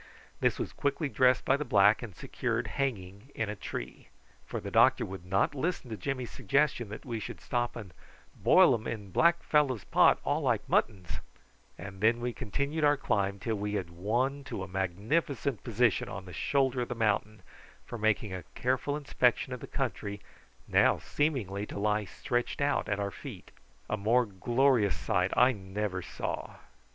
This was quickly dressed by the black, and secured hanging in a tree, for the doctor would not listen to Jimmy's suggestion that we should stop and "boil um in black fellow's pot all like muttons;" and then we continued our climb till we had won to a magnificent position on the shoulder of the mountain for making a careful inspection of the country now seeming to lie stretched out at our feet. A more glorious sight I never saw.